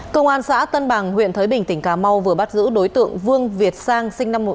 công an xã tân bằng huyện thới bình tỉnh cà mau vừa bắt giữ đối tượng vương việt sang